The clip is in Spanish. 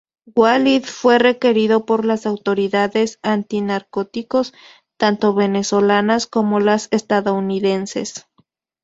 Walid fue requerido por las autoridades antinarcóticos tanto venezolanas como las estadounidenses.